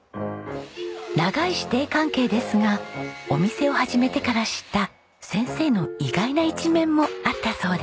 長い師弟関係ですがお店を始めてから知った先生の意外な一面もあったそうです。